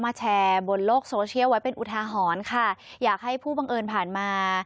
แชร์บนโลกโซเชียลไว้เป็นอุทาหรณ์ค่ะอยากให้ผู้บังเอิญผ่านมา